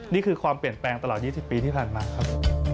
นี่คือความเปลี่ยนแปลงตลอด๒๐ปีที่ผ่านมาครับ